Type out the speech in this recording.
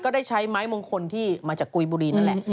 ได้ใช้ไม้มงคลที่มาจากกุยบุรีนั่นแหละ